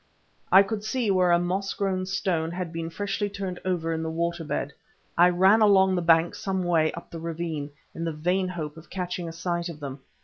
I could see where a moss grown stone had been freshly turned over in the water bed. I ran along the bank some way up the ravine, in the vain hope of catching a sight of them.